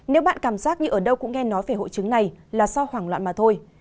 nếu bạn cảm giác như ở đâu cũng nghe nói về hội chứng này là do hoảng loạn mà thôi